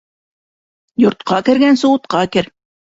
Йортҡа кергәнсе, утҡа кер.